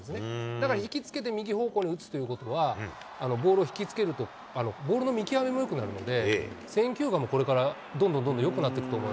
だから引き付けて右方向に打つということは、ボールを引きつけると、ボールの見極めもよくなるので、選球眼もこれからどんどんどんどんよくなっていくと思う。